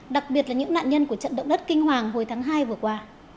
đặc biệt là những nạn nhân của trận động đất kinh hoàng hồi tháng hai vừa qua